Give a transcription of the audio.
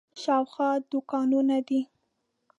شاوخوا یې دوکانونه دي.